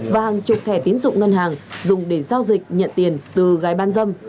và hàng chục thẻ tiến dụng ngân hàng dùng để giao dịch nhận tiền từ gái bán dâm